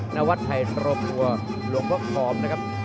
นวัดไทยรบหัวหลวงบอกคอมนะครับ